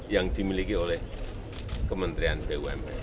yang dimiliki oleh kementerian bumn